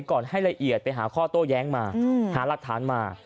ก่อนให้ละเอียดไปหาข้อโต้แย้งมาหาหลักฐานมา